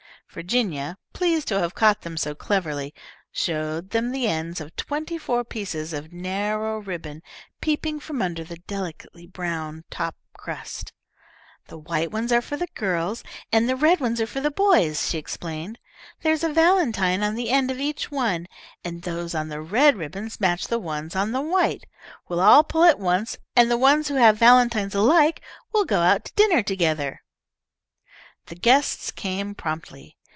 Virginia, pleased to have caught them so cleverly, showed them the ends of twenty four pieces of narrow ribbon, peeping from under the delicately brown top crust. "The white ones are for the girls, and the red ones for the boys," she explained. "There is a valentine on the end of each one, and those on the red ribbons match the ones on the white. We'll all pull at once, and the ones who have valentines alike will go out to dinner together." The guests came promptly.